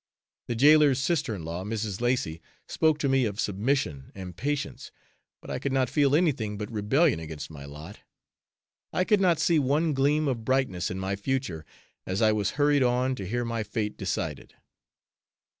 The jailer's sister in law, Mrs. Lacy, spoke to me of submission and patience; but I could not feel anything but rebellion against my lot. I could not see one gleam of brightness in my future, as I was hurried on to hear my fate decided.